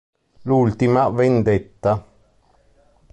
L'ultima vendetta